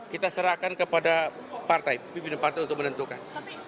kita serahkan kepada partai pimpinan partai untuk menentukan